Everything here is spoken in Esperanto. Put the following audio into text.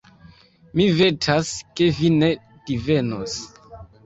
Mi vetas, ke vi ne divenos.